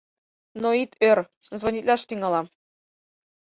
Но ит ӧр, звонитлаш тӱҥалам.